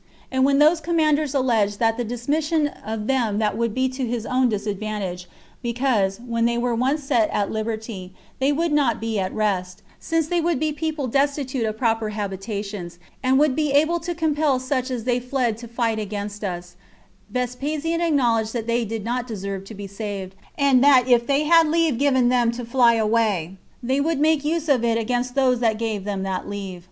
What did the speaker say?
And when those commanders alleged that the dismission of them would be to his own disadvantage, because, when they were once set at liberty, they would not be at rest, since they would be people destitute of proper habitations, and would be able to compel such as they fled to fight against us, Vespasian acknowledged that they did not deserve to be saved, and that if they had leave given them to fly away, they would make use of it against those that gave them that leave.